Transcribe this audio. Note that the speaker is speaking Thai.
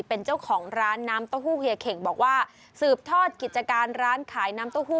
เป็นเจ้าของร้านน้ำเต้าหู้เฮียเข่งบอกว่าสืบทอดกิจการร้านขายน้ำเต้าหู้